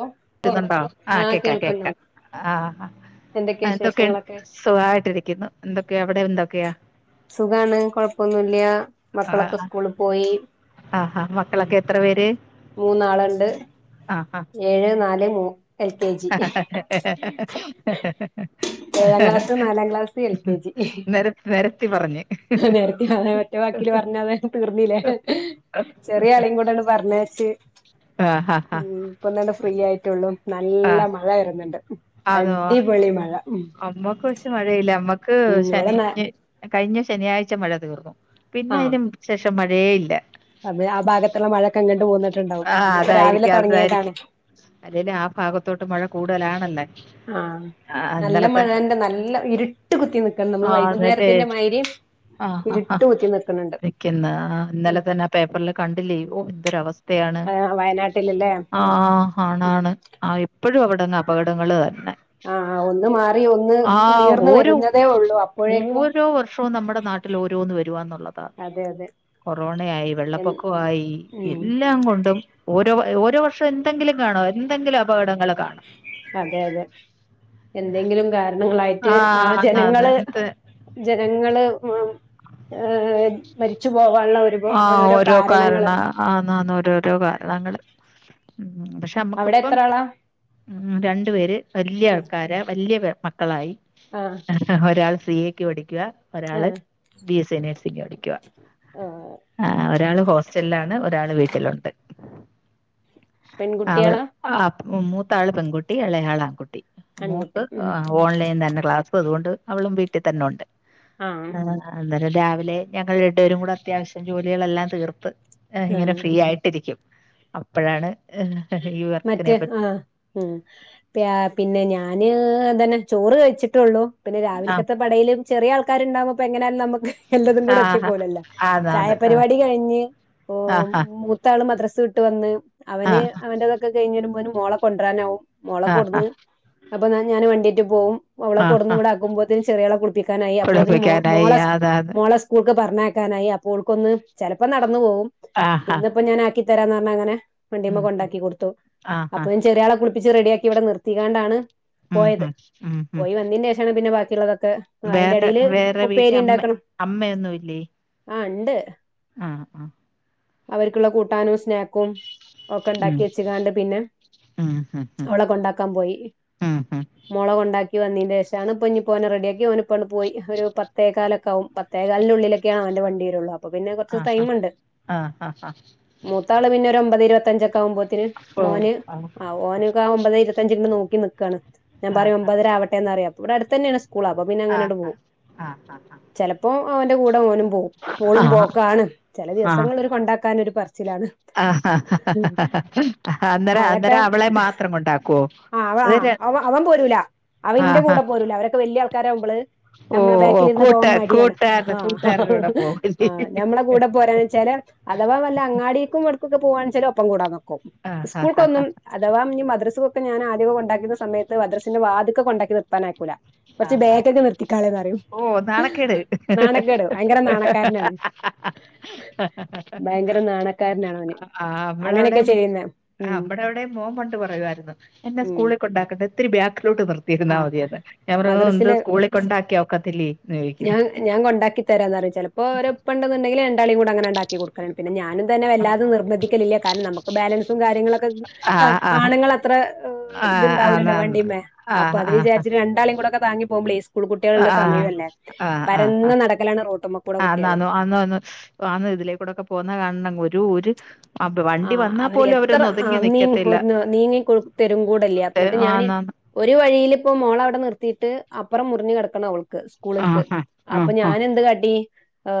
ഓ കേക്കുന്നുണ്ടാ ആഹ് കേക്ക കേക്ക ആ എന്തൊക്കെയാ ന്തൊക്കെ വിശേഷങ്ങളൊക്കെ സുഖായിട്ടിരിക്കുന്നു എന്തൊക്കെയാ അവിടെ എന്തൊക്കെയാ സുഖാണ് കൊഴപ്പൊന്നുംല്ല്യ മക്കളൊക്കെ സ്കൂളിൽ പോയി ആഹാ ഉം മക്കളൊക്കെ എത്ര പേര് മൂന്നാളുണ്ട് ആഹ ആഹ ഏഴ് നാല് മൂ എൽ കെ ജി ഏഴാം ക്ലാസ്സ് നാലാം ക്ലാസ് സ എൽ കെ ജി നെര നെരത്തി പറഞ്ഞ് നെരത്തി അ ഒറ്റ വാക്കില് പറഞ്ഞാ ത് തീർന്നില്ലേ ചെറിയ ആളേയും കൂടെം ആണ്ട് പറഞ്ഞയച്ച് ആഹ ഹഹ ഹാ ഇപ്പം തന്നെ ഫ്രീ ആയിട്ടുള്ളു ആ നല്ല മഴ വരണിണ്ട് അതോ അടിപൊളി മഴ ഉം ക്ക് ഉം ഇവിടെ ശനി ന ഏ കഴിഞ്ഞ ശനിയാഴ്ച മഴ തീർന്നു പിന്നെ അതിനു ശേഷം മഴയേ ഇല്ല അതെ ആ ഭാഗത്തൊള്ള മഴൊക്കെ ഇങ്ങട്ട് പോന്നിട്ടുണ്ടാവും ആ ഇന്നിപ്പോ രാവിലെ അതായിരിക്കും തൊടങ്ങീയതാണ് അതായിരിക്കും അല്ലേലും ആ ഭാഗത്തോട്ട് മഴ കൂടുതലാണല്ലാ ആഹ് നല്ല മഴണ്ട് നല്ല ഇരുട്ട് കുത്തി നി ക്ണ് നമ്മള് ആ എന്നിട്ട് വൈകുന്നേരത്തിന്റെ മായിരി ആ ആ വെ ക്ക് ന്ന് ഇന്നലെ തന്നെ ആ പേപ്പറില് കണ്ടില്ലേ എന്തൊര അവസ്ഥ ണ് ആഹ് വയനാട്ടിലല്ലേ ആ ഉം ആണാണ് ആ ഇപ്പഴും അവിടെന്ന് അപകടങ്ങളിൽ വർനെ ആ ഒന്ന് മാറി ഒന്ന് നീർന്ന് വരുന്നതേ ഉള്ളൂ അപ്പോഴേക്കും ഇപ്പൊ നമ്മുടെ നാട്ടിൽ ഓരോന്ന് വരുവാന്നുള്ളതാ അതെ അതെ കൊറോണയായി എ വെള്ളപ്പൊക്കവായി ഉം എല്ലാം കൊണ്ടും ഓരോ വർഷം എന്തെങ്കിലു കാണോ എന്തെങ്കിലും അപകടങ്ങള് കാണും അതെ അതെ എന്തെങ്കിലും കാരണങ്ങളായിട്ട് ആ ആഹ് അതാണ് ജനങ്ങള് എന്ത് ജനങ്ങള് ഹ് മരിച്ചു പോവാനുള്ള ഒരു ആ ഓരോരോ ഓരോ കാരണങ്ങള് കാരണ ആന്നന്ന് ഓരോരോ കാരണങ്ങള് പക്ഷെ അവിടെ നമ്മുക്കിപ്പം എത്ര ആളാ രണ്ടു പേര് വല്ല്യാ ആൾക്കാര് വല്യ മക്കളായി ആഹ് ഒരാൾ സി എക്ക് പഠിക്കുക ഒരാള് ആഹ് ബി എസ് നേഴ്സിങ്‌ പഠിക്കുവ ആഹ് ആ ഒരാള് ഹോസ്റ്റൽ ലാണ് ഒരാള് വീട്ടിലുണ്ട് അവൾ പെൺകുട്ടികളാ ആ മൂത്താള് പെൺകുട്ടി ഇ ളയാൾ ആൺകുട്ടി ആൺകുട്ടി മോക്ക് ഉം ഓൺലൈ തന്നെ ക്ലാസ് ഇപ്പ അതുകൊണ്ട് അവളും വീട്ടി തന്നെ ഉണ്ട് ആഹ് ആ അന്നേരം രാവിലെ ഞങ്ങൾ രണ്ട് പേരുകൂടെ അത്യാവശ്യം ജോലികളെല്ലാം തീർത്ത് ഇങ്ങനെ ആഹ് ഫ്രീ ആയിട്ടിരിക്കും അപ്പഴാണ് മറ്റേ ഹാ ഉം പി പിന്നെ ഞാന് അതന്നെ ചോറ് കഴ് ച്ച്ട്ടുള്ളൂ പിന്നെ ആ രാവിലക്കത്തെ. പടയിലും ചെറിയ ആൾക്കാരുണ്ടാവുമ്പോപ്പെ ങ്ങന യാലും നമക്ക് എല്ലതും കൂടെ എത്തി ആ പോവുലല്ലോ ആന്ന് ആന്ന് ആ ചായപരിപാടി കഴിഞ്ഞ് ഇപ്പൊ ആ അട് ത്താആള് മദ്രസ് ഇട്ട് വന്ന് ആ അവന് അവന്റേതൊക്കെ കഴിഞ് വരുമ്പോക്കിന് രുമ മോളെ കൊണ്ടുവരാനാവും മോളെ ആ കൊടുന്ന് അപ്പൊ ഞാൻ വണ്ടിയറ്റ് പോവും അവളെ ആ ആ കൊടുന്ന് ആ ഇവിടെ ആക്കുമ്പോതിന്ന് ചെറിയാളെ കുളിപ്പിക്കും ക്കാനായി അപ്പോതിന് കുളിപ്പിക്കാനായി മോളസ് അതാത് മോളസ് സ്കൂൾക്ക് പറഞ്ഞയ്ക്കാനായി അപ്പോ ഓൾക്കൊന്ന് ചലപ്പോ നടന്നു പോവും ആഹാ ഇന്നിപ്പോ ഞാൻആക്കി തരാന്നറഞ്ഞ അങ്ങനെ വണ്ടിമ്മ ഉം ഉം കൊണ്ടാക്കി കൊടുത്തു ആഹാ അപ്പൊ ഞൻ ചെറിയളെ കുളിപ്പിച്ച് റെഡിയാക്കി ഇവിടെ നിർത്തിങ്ങാ ണ്ടാണ് ഉം പോയത് ഉം ഉം ഉം പോയി വന്നീ ന്റെ ശേഷാണ് പിന്നെ ബാക്കിയുള്ളതൊക്കെ ആഹ് അയിന്റെ വേറെ എടയില് വേറെ ഉപ്പേരി വീട്ടിൽ അമ്മ ഇണ്ടാക്കണം അമ്മയൊന്നുമില്ലേ ആഹ് ഇണ്ട് ആഹ് ആഹ് അവര്ക്ക്ള്ള കൂട്ടാനും സ്നാക്കും ഒക്കെ ഉം ഉണ്ടാക്കി ച്ച് ങ്ങാണ്ട് പിന്നെ ഉം ഉം ഉം അവളെ കൊണ്ടാക്കാപോയി ഉം ഉം മോളെ കൊണ്ടാക്കി വന്നീന്റെ ഷാണ് ഇഞ്ഞിപ്പോനെ റെഡിയാക്കി ഓന ഇപ്പണ് പോയി ഒരു പത്തേക്കാലൊക്കെ ആവും പത്തേ കാലിന്റെ ഉള്ളിലൊക്കെ ഓന്റെ വണ്ടി വരുള്ളൂ അപ്പൊ കൊറച് ആഹാ ടൈം ഇണ്ട് ആഹ് ആഹ് മൂത്താള് പിന്നെ ഒമ്പത് ഇരുവ ത്തഞ്ചൊക്കെ ആവു മ്പോത്തിന് ഓ മോന് ആഹ് ആവും ഓന് ഒമ്പത് ഇരുത്തഞ്ചിങ്ങണ്ട് നോക്കി നിക്കാണ് ഞാൻ പറിയ ആഹ് ഒമ്പതര ആവട്ടെന്നറിയ അപ്പ ഇവിടെ അടുത്ത തന്നെണ് സ്കൂൾ സ്കൂൾഅപ്പ പിന്നെ അങ്ങനെണ്ട് ആഹ് പോവും ചെലപ്പോ അവന്റെ കൂടെ ഓനും പോവും ആഹ് ഓളും ആഹ് പോക്കാണ് ചല ദിവസങ്ങള് ഒരു കൊണ്ടാക്കാൻ ഒരുപറി ചിലാണ് ആഹ് ആഹ് അന്നര അന്നര മഴൊക്കെ അവളെ മാത്രംകൊണ്ടാകോ ആ അവ അത് ആ അവ അവൻ പോരൂല അവൻ ഇന്റെ ആഹാ കൂടെ പോരൂല്ല അവരക്കെ വല്യയ ആൾക്കാരാവുമ്പള് ഓ നമ്മളെ ഓ ബേക്കിലിര്ന്ന് കൂട്ട പോവാൻ മടിയാണ് കൂട്ടുകാരൻ ആഹ് കൂട്ടുകാരുടെ കൂടെ പോവല്ലേ ആഹ് നമ്മളെ കൂടെ പോരാന് ചെലെ അഥവാ വല്ല അങ്ങാടിക്കും വിടെക്കൊക്കെ പോവാണെച്ചാൽ ഒപ്പം കൂടാ നിക്കും ആഹ് ആഹ് സ്കൂൾക്കൊന്നും അഥവാ ഇനി മദ്രസ്ക്കൊക്കെ ഞാൻ ആദ്യൊക്കെ കൊണ്ടാക്കിന്ന സമയത്ത് മദ്രസിന്റെ വാത്കെ ക്കെണ്ടാക്കി നിർത്താന് ആയ്കൂല ആഹ് ആഹ് ഓഹ് നാണക്കേട് നാണക്കേട് ഭയങ്കര നാണക്കാരനാണ് ഭയങ്കര നാണക്കാരനാണ് അവന് ആഹ് നമ്മടെ അവിടെ അങ്ങനെയൊക്കെ ചെയ്യുന്നെ ഉം ആ്മ്മടെ അവടെയും മോൻ പണ്ട് പറയുമായിയിരുന്നു എന്നെ ഉം സ്കൂളിൽ കൊണ്ടാക്കണ്ട ഇത്തിരി ബാക്കിലോട്ട് നിർത്ത ആ ഇരുന്നാൽ മതിയത് ഞാൻ പറ ന്ത്‌ മദ്രസില് സ്കൂളിൽ കൊണ്ടാക്കി ഒക്കത്തില്ലോദിക്കും ഞാൻ ഞാൻ കൊണ്ടാക്കി തരാന്ന് പറയും ചെലപ്പോ ഓരെപ്പാ ഉണ്ടെന്നുടെങ്കിൽ രണ്ടാളെയും കൂടെ അങ്ങനെണ്ട് ആക്കി കൊടുക്കാലാണ് പിന്നെ ഞാനും തന്നെ വല്ലാതെ നിർബന്ധികല്ലില്ല കാരണം നമുക്ക് ബാലൻസും കാര്യങ്ങളും ആ ഒകെ ആ ആണുങ്ങളാ അത്ര ആ ആ ഇത്ണ്ടാവുലല്ലോ എന്നാ വണ്ടിമ്മേ ആ അപ്പൊ അത് ആ ആ വിചാരിച്ചിട്ട് രണ്ടാളെയും കൂടെ ഒകെ താങ്ങി പോവുമ്പളെ സ്കൂൾ കുട്ടികളുള്ള ആ സമയവുമല്ലേ ആ പരന്ന് നടക്കലാണ് റോട്ട്മേകൂടെ കുട്ടിയാള് അന്നന്ന് വാന്ന് ഇതിലേകൂടൊക്കെ പോവുന്ന കാണണം ഒരു ഒര് ആഹ് അവര് എത്ര ആഹ് നിക്കത്തില്ല നീന്ന് നീങ്ങി തരും കൂടെ ഇല്ല ഏ എന്നിട്ട് ആ ഞാാന് ആന്നാന്ന് ഒരു വഴിയിൽ ഇപ്പോ മോളെ അവിടെ നിർത്തിയിട്ട് അപ്പുറം മുറിഞ് കിടക്കണം അവൾ ആ സ്കൂളിൽക്ക് ആ ആ അപ്പൊ ആ ഞാന് എന്ത് കാട്ടി ഹ്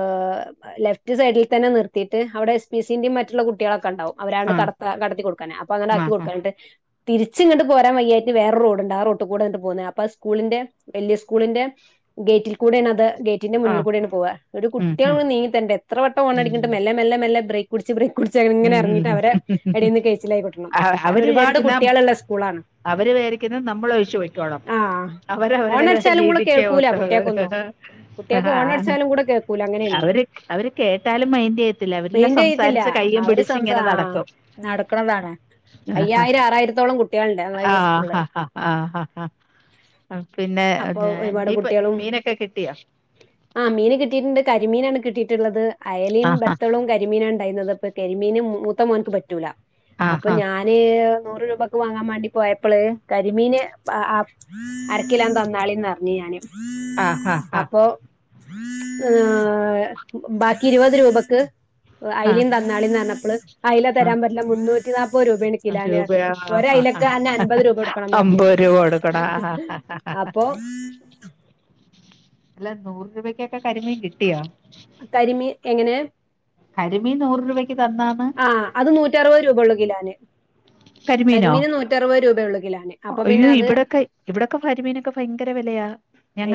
ലെഫ്റ്റ് സൈഡിൽ തന്നെ നിർത്തിയിട്ട് അവിടെ എസ് പി സി ന്റെയും മറ്റുള്ള കുട്ടിയാളൊക്കെ ഇണ്ടാവും അവരാണ്ട് ആ കടത്തി കടത്തി കൊടുക്കാന് അപ്പൊ അങ്ങനെ ആക്കി ആ ആ കൊടുക്കാനിട്ട് തിരിച്ചിങ്ങട്ട് പോരാൻ വയ്യായിട്ട് വേറെ റോഡുണ്ട് ആ റോട് കൂടെ ഇങ്ങട്ട് പോന്നേ അപ്പ ആഹ് സ്കൂളിന്റെ വലിയ സ്കൂളിന്റെ ഗേറ്റിൽ കൂടെയാണ് അത് ഗേറ്റിന്റെ ആ മുന്നിൽ കൂടെയാണ് പോവ ഒരു ഉം ഉം കുട്ടിയാളും നീങ്ങി തരേണ്ട എത്ര വട്ടം ഹോൺ ഉം അടിക്ക്ണ്ട് മെല്ലെ മെല്ലെ മെല്ലെ ബ്രക്ക് പുടിച് ബ്രക്ക് പുടിച് അങ്ങ ഇങ്ങനെ ഉം ഇറങ്ങിട്ട് ഉം അവരെ ഉം ഉം എടെയ്ന്ന് കെയ്യ്ച്ചിലായി കിട്ടണം ആ, കാരണം അവര് ഒരുപാട് വിചാരിക്കുന്ന കുട്ടിയാളുള്ള സ്കൂളാണ് അവര് വെരിക്കുന്നത് നമ്മൾ ഒഴിച്ചുപോയ്ക്കോണം ആ അവര് അവരുടേതായ ഹോണടിച്ചാലും കൂടെ രീതിക്ക് കേൾക്കൂല കുട്ടികൾക്കൊന്നും കുട്ടികൾക്ക് ഹോണടിച്ചാലും കൂടെ കേൾക്കൂല [unintelligible] അങ്ങനെയാണ് അവര് അവര് കേട്ടാലും മൈൻഡ് ചെയത്തില്ല അവരെല്ലാം സംസാരിച്ച കയ്യും പുടി സംസ ആഹ് നടക്ക്ണതാണ് അയ്യായിരം ആറായിരത്തോളം കുട്ടികളുണ്ട് നമ്മളെ ആ ഈ സ്കൂളില് ഹാ ഹാ ആ ഹാ ഹാ പിന്നെ അപ്പൊ ഇപ്പ മീനൊക്കെ കിട്ടിയോ ആഹ് മീൻ കിട്ടിയിട്ടുണ്ട് കരിമീനാണ് കിട്ടിയിട്ടുള്ളത് അയലിയും ആഹാ ബത്തളും കരി കരിമീനാണ് ഉണ്ടായിനത് കാരിമീൻ മൂത്തമോന്ക് പറ്റൂല അപ്പോ ആഹാ ഞാ ഞാന് നൂറ് രൂപക്ക് വാങ്ങാൻ വേണ്ടി പോയപ്പള് കരിമീന് അരകിലോ തന്നാളിന്ന്റിഞ്ഞ് ഞാന് ആഹാ ഹാ അപ്പൊ ബാക്കി ഇരുപത് രൂപക്ക് ആ അയിലേം തന്നാളി പറഞ്ഞപ്പള് അയില ആ തരാൻ പറ്റ്ല്ല മുന്നൂറ്റി നാല്പ്പത് രൂപേണ് കിലോന് രൂപ പറഞ്ഞ് ഒരു അയിലക് തന്നെ അമ്പത് രൂപ കൊടുക്കണംന്ന് പറഞ്ഞ് അമ്പത് രൂപ കൊടുക്കടാ അപ്പൊ അല്ല നൂറ് രൂപക്കൊക്കെ കരിമീൻ കിട്ടിയോ കരിമീൻ എങ്ങനെ കരിമീൻ നൂറ് രൂപയ്ക്ക് തന്നാന്ന് ആഹ് അത് നൂറ്ററുപത് രൂപള്ളു കിലാന് കരിമീനോ കരിമീന് നൂറ്ററുപത് രൂപള്ളു കിലാന് അയ്യോ ഇവിടെക്കെ ഇവിടെക്കെ കരിമീനൊക്കെ ഭയങ്കര വെലയാ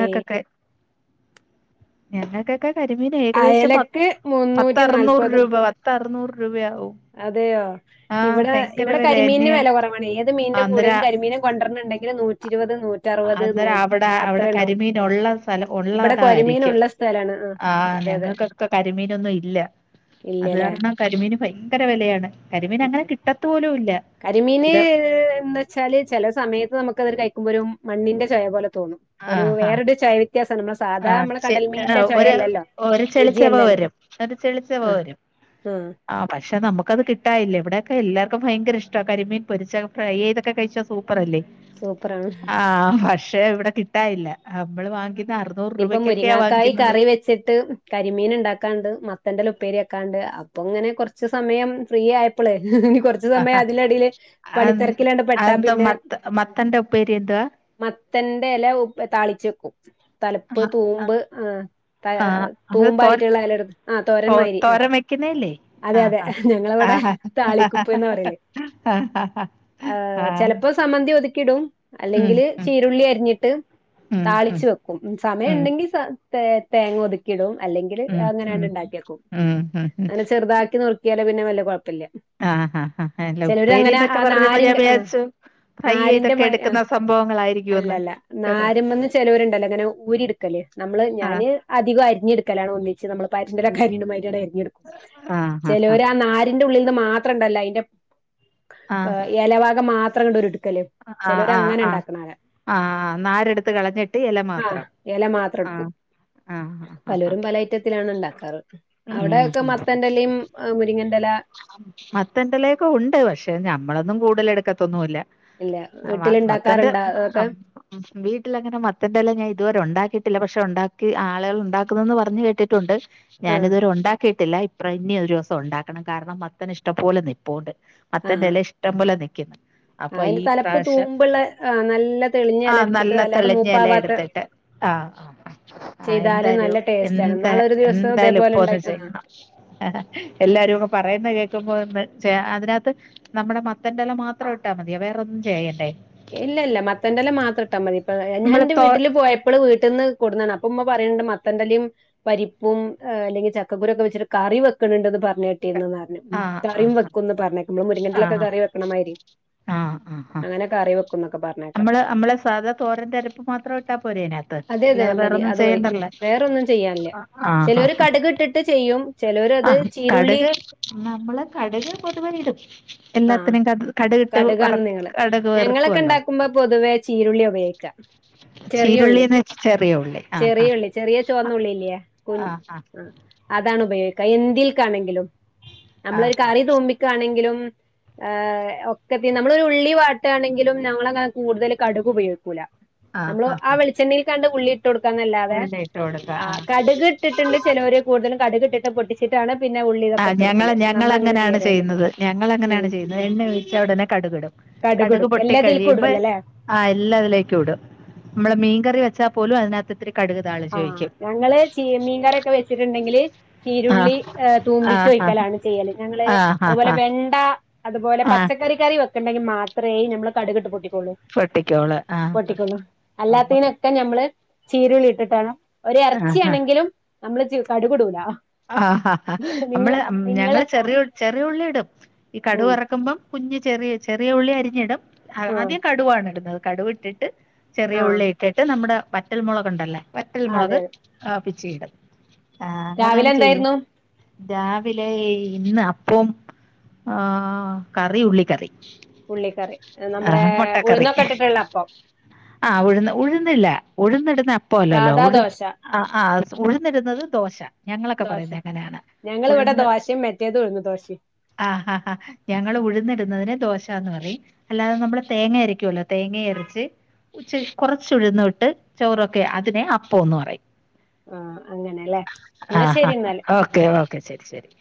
ഏഹ് ഞങ്ങൾക്കൊക്കെ കരിമീൻ ഏകദേശം പ അയലക്ക് പത്ത് മുന്നൂറ്റി അറുന്നൂറ് നാല്പതും രൂപ അറുന്നുറു രൂപയാവും അതെയോ ആഹ് ഇവിടെ ഭയങ്കര ഇവിടെ വില കരിമീനിന് തന്നെയാ വില കൊറവാണ് ഏത് മീനിന്റെ കൂടേലും അന്നേരം കരിമീനും കൊണ്ടെര്ണ് ഇണ്ടെങ്കിൽ നൂറ്റ നൂറ്റി ഇരുപത് അന്നേരം അവിടെ അവിടെ കരിമീൻ ഒള്ള സ്ഥലം ഇവിടെ ഒള്ളതായിരിക്കും കൊരമീനുള്ള സ്ഥലാണ് ആഹ് അതെ അതെ ഞങ്ങൾക്ക് ക്കെ കരിമീനൊന്നും ഇല്ല അത് ഇല്ല്യലേ കാരണം കരിമീന് ഭയങ്കര വെലയാണ് കരിമീന് ഇത് എന്ന് വെച്ചാല് ചെല സമയത്ത് നമുക്കത് ഒര് കഴിക്കുമ്പോ ഒരു മണ്ണിന്റെ ചൊയ പോലെ തോന്നും ഒരു ആഹ് ആഹ് വേറൊരു ചൊയ വെത്യസണ്ട് ഇമ്മളെ സാധാ ആഹ് നമ്മള് ശ കടൽമീന്റെ ഒരു ചൊയല്ലല്ലോ ഒരു ചെളിച്ചെവ രുചിയല്ല വരും ആഹ് ഉം ആ പക്ഷെ നമുക്കത് കിട്ടാൻ ഇല്ല ഇവിടൊക്കെ എല്ലാർക്കും ഭയങ്ക ഇഷ്ട കരിമീൻ പൊരിച്ച ഫ്രൈ ചെയ്തൊക്കെ കഴിച്ച സൂപ്പറല്ലേ സൂപ്പറാണ് ആഹ് പക്ഷെ ഇവിടെ കിട്ടാൻ ഇല്ല നമ്മള് വാങ്ങിക്കുന്ന അർ ഇനിയിപ്പ മുരിങ്ങാക്കായി കറി വെച്ചിട്ട് കരിമീൻ ഉണ്ടാക്കാണ്ട് മത്തന്റെല ഉപ്പേരി വെക്കാണ്ട് അപ്പൊങ്ങനെ കൊറച്ച് സമയം ഫ്രീ ആയപ്പളെ ഇനി കൊറ സമയം അതിലടിയില് പണിത്തെരക്കിലണ്ട് പെട്ടാ അതെന്താ പിന്നെ മത്ത മത്തന്റെ ഉപ്പേരി എന്തുവാ മത്തന്റെ എല താളിച്ചെക്കും തലപ്പ് തൂമ്പ് ആഹ് ആഹ് അത് തോര തൂമ്പായിട്ടുള്ള എലെടുത്ത് ആ തോരൻ തോ മാരി തോരൻ വെക്കുന്നല്ലേ ആഹ് ആ ഞങ്ങളവിടെ ആഹ് താളിക്കുപ്പ് എന്ന് പറയല് ആഹ് ആഹ് സമ്മന്തി ഒതുക്കിടും ഉം അല്ലെങ്കില് ഉം ചീരുള്ളി അരിഞ്ഞിട്ട് ഉം ഉം താളിച്ച് വെക്കും സമയം ഉം ഇണ്ടെങ്കിൽ തേ തേങ്ങ ഒതുക്കിടും അല്ലെങ്കില് ഉം അങ്ങനണ്ട് ഉം ഉണ്ടാക്കി വെക്കും ഉം ഉം ഉം അങ്ങനെ ചെറുതാക്കി നുറുക്കി പിന്നെ വല്യേ കുഴപ്പല്ല ആഹ് ആഹ് അല്ല ഉപ്പേരിന്നൊക്കെ പറഞ്ഞപ്പോ ഞാൻ നാരിന്റെ ആ വിചാരിച്ചു ഫ്രൈ നാരിന്റെ ചെയ്തൊക്കെ എടുക്കുന്ന മാതിരി അല്ലല്ല സംഭവങ്ങളായിരിക്കുമെന്ന് നാരുമ്മെന്ന് ചെലോര് ഇണ്ടല്ലോ ഇങ്ങനെ ഊരി ഇട്ക്കല് നമ്മള് ആഹ് ഞാന് അിതികോം അരിഞ്ഞെടുക്കലാ ഒന്നിച്ച് നമ്മൾ പയറ്റിന്റെ എല അരീണമാതിരി അണ്ട് അരിഞ്ഞെടുക്കും ആഹ് ഹ ഹ ചേലോര് ആ നാരിന്റെ ഉള്ളിൽന്ന് മാത്രണ്ടല്ലോ അയിന്റെ ആഹ് എലഭാഗം മാത്രണ്ട് ഒരുട്ക്കല് ആഹ് ചെലോര് ആഹ് അങ്ങനെ ആഹ് ഉണ്ടാക്കണരാ ആഹ് നാരെടുത്ത് കളഞ്ഞ് ആഹ് എല മാത്രം ഇട്ക്കും ആഹ് ആഹ് ആഹ് പലോരും പല അയിറ്റത്തിലാണ് ഉണ്ടാക്കാറ് ഉം അവിടെ ഒക്കെ മത്തന്റെ ലിം മുരിങ്ങന്റെ എല മത്തന്റെ എലഒക്കെ ഉണ്ട് പക്ഷെ ഞമ്മളൊന്നും കൂടുതല് എടുക്കത്തൊന്നുംല്ല ഇല്ല ആഹ് വീട്ടില് മത്തന്റെ ഇണ്ടാക്കാറുണ്ടാ അതൊക്കെ അപ് ഉവീട്ടിലങ്ങനെ മത്തന്റെല ഞാൻ ഇതുവരെ ഉണ്ടാക്കിയിട്ടില്ല പക്ഷെ ഉണ്ടാക്കി ആളുകൾ ഉണ്ടാക്കുന്നന്ന് പറഞ്ഞഞ് കേട്ടിട്ടുണ്ട് ആ ഞാന് ഇതുവരെ ഉണ്ടാക്കിയിട്ടില്ല ഇപ്പ ഇനി ഒരു ദിവസം ഉണ്ടാക്കണം കാരണം മത്തൻ ഇഷ്ടം പോലെനിപ്പോണ്ട് ആ മത്തന്റെല ഇഷ്ടം പോലെ നിക്കുന്നു അപ്പൊ ഈ അതിന്റെ തലപ്പ് പ്രാവശ്യം തൂമ്പുള്ള ആ, നല്ല തെളിഞ്ഞ എല ആഹ് എടുത്തിട്ട് നല്ല അല്ലാതെ തെളി ഞ്ഞല മൂപ്പാവാത്ത എടുത്തിട്ട് ആഹ് ആ ആ ചെയ്താല് നല്ല എന്തായാലും ടേസ്റ്റ് ആണ് എന്താ നാളെ ഒരു ദിവസം എന്തായാലും ഇതേപോലെ ഇപ്പ ഒന്ന് ഉണ്ടാക്കി ആ ചെയ്യണം ആ എല്ലാരും ഒക്കെ പറയുന്ന കേക്കുമ്പോ ഒന്ന് ചെ അതിനകത്ത് നമ്മടെ മത്തന്റെല മാത്രം ഇട്ടാ മതിയ വേറോന്നും ചെയ്യണ്ടേ ഇല്ല ഇല്ല മത്തൻന്റെല് മാത്രം ഇട്ടാ മതി ഇപ്പ നമ്മള് ഞാന്റെ തോ വീട്ടില് പോയ- ഇപ്പള് വീട്ടിന്ന് കൊടതാണ് അപ്പ ഇമ്മ പറയണ്ട് മത്തന്റെലിം പരിപ്പും അല്ലെങ്കി ചക്ക ക്കുരൊക്കെ വെച്ചിട്ട് കറി വെക്കണുന്നുണ്ടന്ന് പറഞ്ഞു കേട്ടീന്നു പറഞ്ഞു ഉ ആഹ് കറിം ആഹ് വെക്കുന്ന് പറഞ്ഞേക്കുന്നു മുരിങ്ങന്റി ലൊക്കെ ആഹ് കറി വെക്കണമായിരി ആഹ് ആഹ് ആഹ് അങ്ങനെ കറിവെക്കുന്നൊക്കൊ പറഞ്ഞ നമ്മള് നമ്മളെ സാധാ തോരന്റെ അരിപ്പ് മാത്രം ഇട്ടാൽ പോര അതിനകത്ത് അതെ അതെ അല്ലാതെ മതി വേറൊന്നും അത് മതി ചെയ്യേണ്ടല്ലോ വേറൊന്നും ചെയ്യാനില്ല ചെലോര് കട്ക് ട്ടിട്ട് ചെയ്യും ചെലോര് അത് ചീരുള്ളി നമ്മളെ കടുക് പൊതുവെ ഇടും ആഹ് എല്ലാത്തിനും കട് കടുകിട്ട് വറ കടുകാണ് നിങ്ങള് കടുക് ഞങ്ങളൊക്കെ വറുക്കുവല്ലോ ഉണ്ടാക്കുമ്പോ പൊതുവേ ചീരുള്ളി ഉപയോഗിക്കാ ചെറിയുള്ളി ചീരുള്ളിന്ന് വെച്ച ചെറിയ ഉള്ളി ആ ആ ചെറിയുള്ളി ചെറിയ ചുവന്ന ഉള്ളില്ലേ - കു ആ അതാണ് ഉപയോഗിക്കുക എന്തിൽ ക്കാണെങ്കിലും നമ്മളൊരു കറി ആ തൂ മി ക്കാണെങ്കിലും ഹ് ഒക്കെത്തി നമ്മളോരുള്ളി വാ ട്ടാണെങ്കിലുംനമ്മളങ്ങനെ കൂടുതൽ കടുക് ഉപയോഗിക്കൂല നമ്മള് ആ വെളിച്ചെണ്ണികൺ ഉള്ളി ഇട്ട്കൊടുക്കാന്നല്ലാതെ ഉള്ളി ഇട്ട് കൊടുക്ക ആ കടുക് ഇട്ടിട്ടുണ്ട് ചിലര് കൂടുതലും കടുകിട്ടിട്ട് പൊട്ടി- ച്ചിട്ടാണ് പിന്നെ ഉള്ളി ഇതൊക്കട്ട് കൊടുക്കല് ക്ഷേ നമ്മളങ്ങന ചെയ്യറേല്ല ഞങ്ങളങ്ങനെയാണ് ചെയ്യുന്നത് എണ്ണ ഒഴിച്ചാ ഒടനെ കടുകിടും കടുക് ഇടും പൊട്ടി എല്ലാതീൽക്കും കഴിയുമ്പ ഇടുവല്ലോ അല്ലേ ആ എല്ലാ അതിലേക്കും ഇടും മ്മള് മീൻകറി വെച്ചാ പോലും അതിനാത്ത് ഇത്തിരി കടുക് ആഹ് താളിച്ചൊഴിക്കും ഞങ്ങള് ചീ മീൻകറിയൊക്കെ വെച്ചിട്ടുണ്ടെങ്കില് ആ ചീരുള്ളി ഏഹ് ആ ആ തൂമ്പിച്ചൊഴിക്കലാണ് ചെയ്യല് ഞങ്ങള് ആ ആ അതുപോലെ ആ വെണ്ട അതുപോലെ ആ പച്ചക്കറി കറി വെക്കണ്ടെങ്കി മാത്രേ ഞമ്മള് കടുകിട്ട് പൊട്ടിക്കോള്ളൂ പൊട്ടിക്കോള് ആ പൊട്ടിക്കൊള്ളൂ അല്ലാത്തേന ക്ക ഞമ്മള് ചീരുളി ഇട്ടിട്ടാണ് ഒര് ആ ആ എറച്ചിയാണെങ്കിലും നമ്മള് ച് കടുകിടൂലാ ആഹാഹ അമ്മള് മ്മ് ഞങ്ങള് ആഹ് ചെറിയു ചെറിയുള്ളി ഇടും ഈ ഉം കടുവറുക്കുമ്പം കുഞ്ഞ് ചെറിയ ചെറിയ ഉള്ളി അരിഞ്ഞിടും ആ ആഹ് ആദ്യം കടുവവാണ് ഇടുന്നത് കടുവിട്ടിട്ട് ചെറിയ ആഹ് ഉള്ളി ഇട്ടിട്ട് നമ്മുടെ വറ്റൽ മുളക് ഒണ്ടല്ല അതെ വറ്റൽമുളക് അതെ ആഹ് പിച്ചിയിടും ആഹ് രാവിലെ അങ്ങനാണ് എന്തായിരുന്നു രാവിലേ ഇന്ന് അപ്പോം ആഹ് കറി ഉള്ളിക്കറി ഉള്ളിക്കറി നമ്മടെ ആഹ് മുട്ടക്കറി ഉഴുന്നൊക്കെ ഇട്ടിട്ടുള്ളപ്പം ആഹ് ഉഴുന്ന് ഉഴുന്നില്ല ഉഴുന്നിടുന്ന അപ്പൊ അല്ലല്ലോ സാധാ ഉഴ്‌ ദോശ ആഹ് ആഹ് സ് ഉഴുന്നിടുന്നത് ദോശ ഞങ്ങൾ ദോശ ഞങ്ങളിവിടെ ദോശേം മെറ്റേതും ഉഴുന്ന് ദോശേം ആഹഹാ ഞങ്ങള് ഉഴുന്നിടുന്നതിന് ദോശാന്ന് പറയും അല്ലാത നമ്മള് തേങ്ങ അരക്കുവല്ലോ തേങ്ങേം അരച്ച് ശ് കൊറച്ചുഴുന്നു ഇട്ട് ചോറൊക്കെ അതിനെ അപ്പോന്ന് പറയും ആഹ അങ്ങനല്ലേ എന്നാ ആഹ് ശരി ആഹ് എന്നാല് ഓക്കെ ഓക്കെ ശരി ശരി